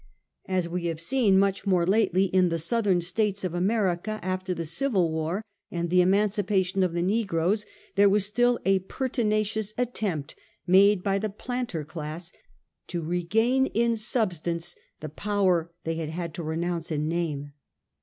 As we bave , seen much more lately in tbe Southern States of America after tbe civil war and tbe emancipation of tbe negroes, there was still a pertinacious attempt made by tbe planter class to re gain in substance tbe power they bad bad to renounce in name.